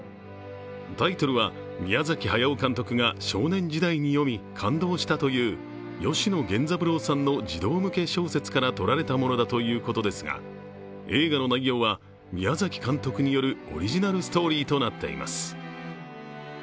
タイトルは宮崎駿監督が少年時代に読み、感動したという吉野源三郎さんの児童向け小説からとられたというものですが映画の内容は宮崎監督によるオリジナルストーリーとなっています。